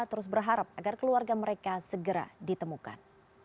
terus berharap agar keluarga mereka segera ditemukan